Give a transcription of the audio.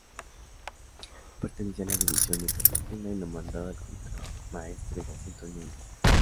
Pertenecía a la División de Cartagena y lo mandaba el Contramaestre Jacinto Núñez.